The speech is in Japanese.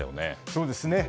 そうですね。